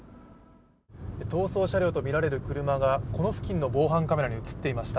逃走車両とみられる車がこの付近の防犯カメラに映っていました。